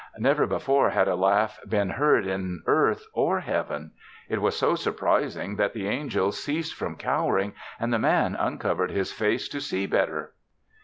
Never before had a laugh been heard in earth or Heaven. It was so surprising that the angels ceased from cowering and the Man uncovered his face to see better.